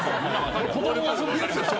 子供が遊ぶやつですよ。